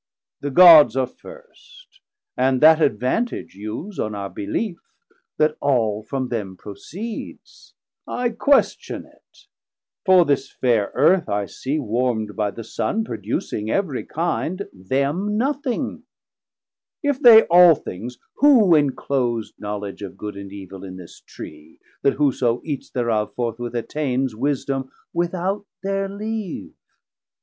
The Gods are first, and that advantage use On our belief, that all from them proceeds, I question it, for this fair Earth I see, 720 Warm'd by the Sun, producing every kind, Them nothing: If they all things, who enclos'd Knowledge of Good and Evil in this Tree, That whoso eats thereof, forthwith attains Wisdom without their leave?